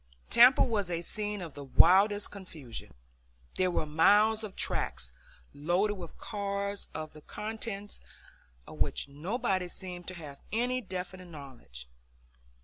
Tampa was a scene of the wildest confusion. There were miles of tracks loaded with cars of the contents of which nobody seemed to have any definite knowledge.